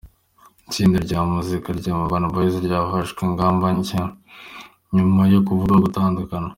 Itsinda rya muzika rya Urban Boys ryafashe ingamba nshya nyuma yo kuvugwaho gutandukana.